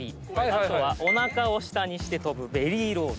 あとはおなかを下にして跳ぶベリーロール。